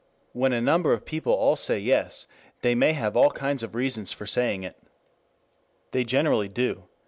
When a number of people all say Yes they may have all kinds of reasons for saying it. They generally do.